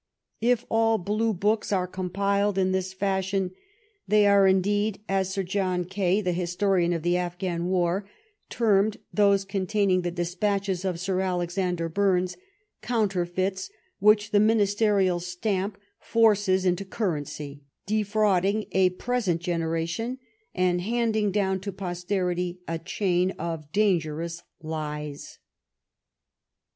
If all Blue Books are compiled in this fashion, they are indeed, as Sir John Eaye, the historian of the Afghan war, termed those containing the despatches of Sir Alexander Bumes, counterfeits which the ministerial stamp forces into our rency, defrauding a present generation, and handing <down to posterity a chain of dangerous lies.